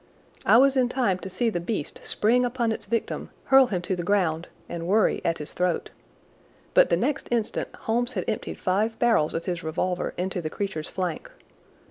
I was in time to see the beast spring upon its victim, hurl him to the ground, and worry at his throat. But the next instant Holmes had emptied five barrels of his revolver into the creature's flank.